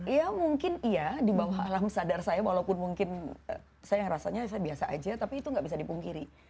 ya mungkin iya di bawah alam sadar saya walaupun mungkin saya rasanya saya biasa aja tapi itu nggak bisa dipungkiri